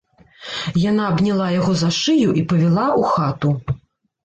Яна абняла яго за шыю і павяла ў хату.